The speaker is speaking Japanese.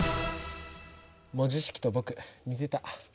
文字式と僕似てた。